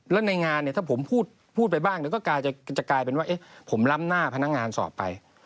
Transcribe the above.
แล้วในงานเนี่ยถ้าผมพูดไปบ้างก็จะกลายเป็นว่าผมล้ำหน้าพนักงานสอบไป